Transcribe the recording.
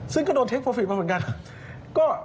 ซึ่งก็โดนเทคโอฟิกมาเหมือนกัน